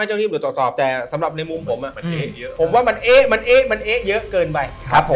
๑ไปเลยครับครับผมคุณกันเบอร์ครับ๑ไปเลยครับ